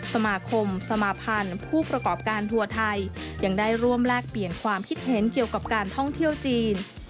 สมาคมสมาพันธ์ผู้ประกอบการทัวร์ไทยยังได้ร่วมแลกเปลี่ยนความคิดเห็นเกี่ยวกับการท่องเที่ยวจีน